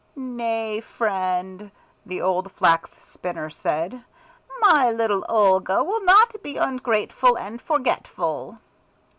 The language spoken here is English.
"Nay, friend," the old Flax spinner said. "My little Olga will not be ungrateful and forgetful."